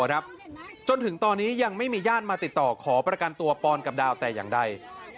จนถึงตอนนี้ยังไม่มีญาติมาติดต่อขอประกันตัวปอนกับดาวแต่อย่างใด